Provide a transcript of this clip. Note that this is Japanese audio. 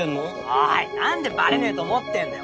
おい何でバレねえと思ってんだよ。